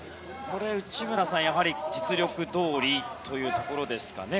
内村さん、やはり実力どおりというところですかね。